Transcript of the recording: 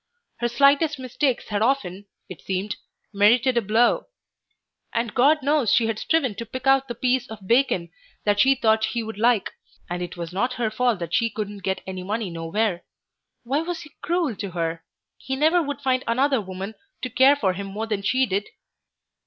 Her slightest mistakes had often, it seemed, merited a blow; and God knows she had striven to pick out the piece of bacon that she thought he would like, and it was not her fault that she couldn't get any money nowhere. Why was he cruel to her? He never would find another woman to care for him more than she did....